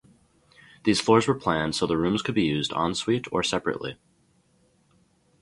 These floors were planned so the rooms could be used en suite or separately.